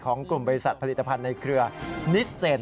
ของกลุ่มบริษัทผลิตภัณฑ์ในเครือนิสเซน